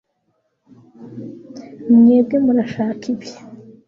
mwebwe murashaka ibi